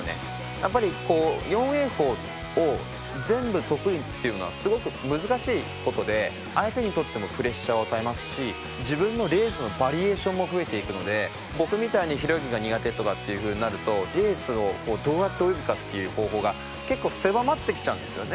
やっぱりこう４泳法を全部得意っていうのはすごく難しい事で相手にとってもプレッシャーを与えますし自分のレースのバリエーションも増えていくので僕みたいに平泳ぎが苦手とかっていう風になるとレースをどうやって泳ぐかっていう方法が結構狭まってきちゃうんですよね。